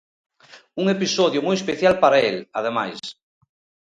Un episodio moi especial para el, ademais.